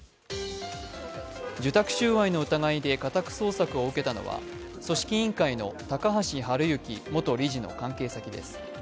受託収賄の疑いで家宅捜索を受けたのは組織委員会の高橋治之元理事の関係先です。